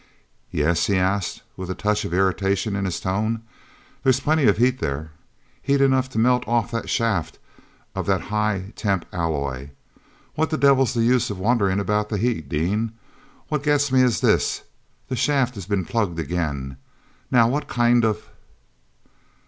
"Yes?" he asked with a touch of irritation in his tone. "There's plenty of heat there—heat enough to melt off the shaft of that high temp alloy! What the devil's the use of wondering about the heat, Dean? What gets me is this: the shaft has been plugged again. Now, what kind of...."